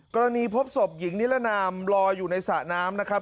พบศพหญิงนิรนามลอยอยู่ในสระน้ำนะครับ